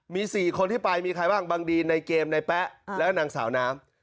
มี๔คนที่ไปมีใครบ้างบางดีนในเกมในแป๊ะและนางสาวน้ำ